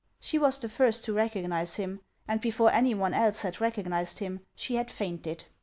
She was the first to recognize him, and before any one else had recog nized him, she had fainted.